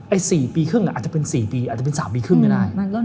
๔ปีครึ่งอาจจะเป็น๔ปีอาจจะเป็น๓ปีครึ่งก็ได้